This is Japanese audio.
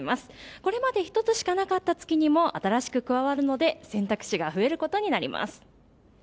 これまで一つしかなかった月にも新しく加わるので選択肢が増えることになります。